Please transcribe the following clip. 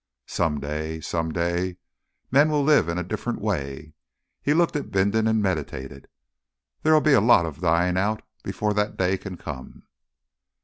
Some day some day, men will live in a different way." He looked at Bindon and meditated. "There'll be a lot of dying out before that day can come."